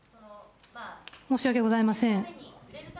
申し訳ございません。